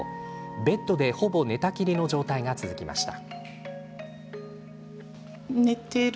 ベッドで、ほぼ寝たきりの状態が続きました。